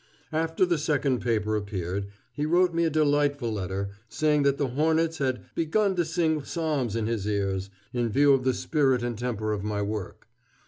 After the second paper appeared, he wrote me a delightful letter, saying that the hornets had "begun to sing psalms in his ears," in view of the spirit and temper of my work.